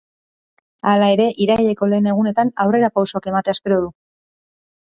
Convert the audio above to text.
Hala ere, iraileko lehen egunetan aurrerapausoak ematea espero du.